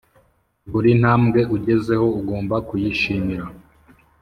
buri ntambwe ugezeho ugomba kuyishimira